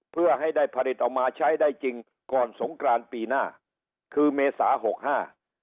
เพื่อให้ได้ผลิตออกมาใช้ได้จริงก่อนสงกรานปีหน้าคือเมษาหกห้า